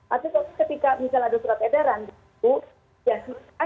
atau ketika misalnya ada surat edaran itu ya silahkan